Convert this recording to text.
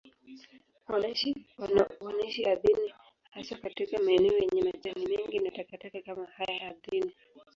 Wanaishi ardhini, haswa katika maeneo yenye majani mengi na takataka kama haya ardhini.